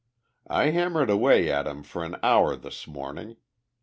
"I hammered away at him for an hour this morning.